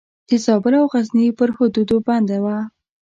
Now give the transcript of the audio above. د زابل او غزني پر حدودو بنده وه.